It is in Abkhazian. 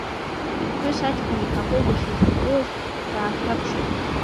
Иԥҳәыс аҷкәын еиҳабы дахьихагылаз даахьаԥшит.